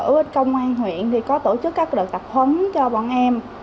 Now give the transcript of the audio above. ủy ban công an huyện có tổ chức các đợt tập huấn cho bọn em